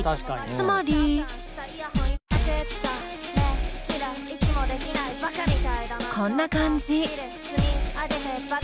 つまり。こんな感じ。